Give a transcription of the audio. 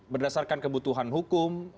berdasarkan kebutuhan hukum